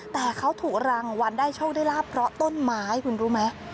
แต่เขาถูกรางวัลได้โชคได้ลาบเพราะต้นไม้คุณรู้ไหม